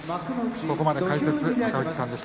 ここまで解説は若藤さんでした。